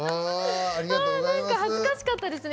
恥ずかしかったですね